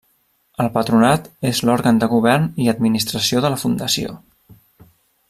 El Patronat és l’òrgan de govern i administració de la Fundació.